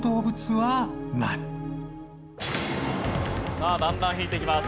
さあだんだん引いていきます。